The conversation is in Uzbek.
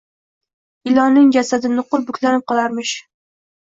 Ilonning jasadi, nuqul buklanib qolarmish.